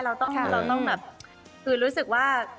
เราต้องแบบคือรู้สึกว่า